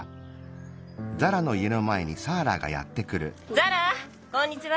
ザラこんにちは！